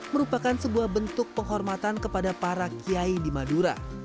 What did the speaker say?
merupakan sebuah bentuk penghormatan kepada para kiai di madura